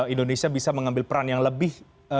indonesia bisa mengambil peran yang lebih